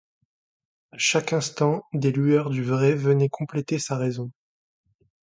À chaque instant des lueurs du vrai venaient compléter sa raison.